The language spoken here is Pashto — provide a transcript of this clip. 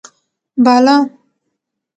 بالا: